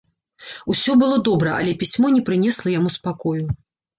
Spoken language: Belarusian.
Усё было добра, але пісьмо не прынесла яму спакою.